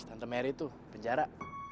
si tante mer itu di penjara